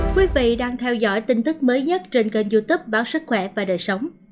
các bạn đang theo dõi tin tức mới nhất trên kênh youtube báo sức khỏe và đời sống